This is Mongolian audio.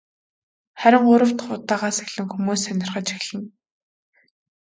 Харин гурав дахь удаагаас эхлэн хүмүүс сонирхож эхэлнэ.